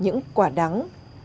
những quả đắng